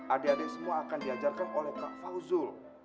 adik adik semua akan diajarkan oleh pak fauzul